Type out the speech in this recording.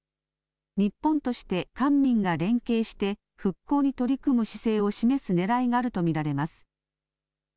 日本として官民が連携して復興に取り組む姿勢を示すねらいがあると見られます。